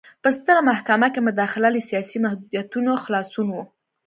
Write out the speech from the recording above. په ستره محکمه کې مداخله له سیاسي محدودیتونو خلاصون و.